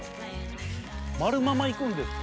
丸のまま行くんですか？